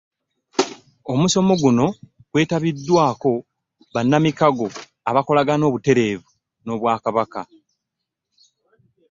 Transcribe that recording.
Omusomo guno gwetabiddwako bannamikago abakolagana obuterevu n'Obwakabaka.